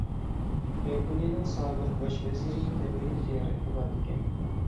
ياپونىيەنىڭ سابىق باش ۋەزىرى تەيۋەنگە زىيارەتكە بارىدىكەن.